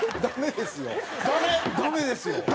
ダメですよ。